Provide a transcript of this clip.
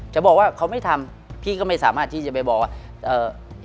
จะบอกว่าเขาไม่ทำพี่ก็ไม่สามารถที่จะไปบอกว่าเอ่อ